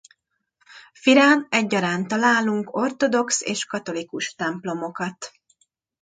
Firán egyaránt találunk ortodox és katolikus templomokat.